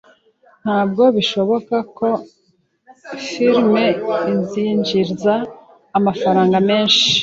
Ntabwo bishoboka ko iyo firime izinjiza amafaranga menshi